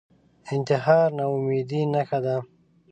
انتحار ناامیدۍ نښه ده